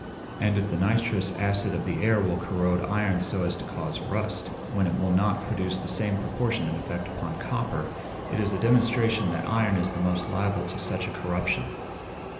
And if the nitrous acid of the air will corrode iron so as to cause rust, when it will not produce the proportionate effect upon copper, it is a demonstration that iron is the most liable to such a corruption.